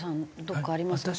どこかありますか？